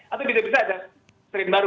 atau bisa bisa ada strain baru